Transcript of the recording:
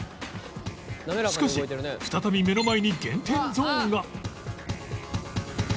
しかし再び目の前に減点ゾーンが